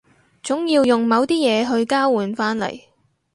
總要用某啲嘢去交換返嚟